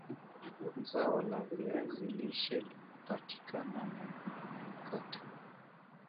zao la viazi lishe linapatika na duniani kote